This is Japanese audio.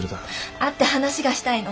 会って話がしたいの。